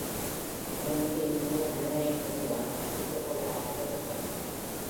அதனின்று இப் புதிய மனிதனைக் கொண்டு தான் தப்பித்துக் கொள்ளலாம் என்று திட்டமிட்டான்.